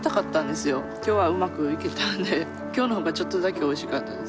今日はうまくいけたんで今日の方がちょっとだけおいしかったです。